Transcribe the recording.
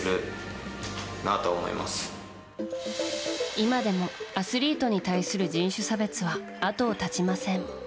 今でもアスリートに対する人種差別は後を絶ちません。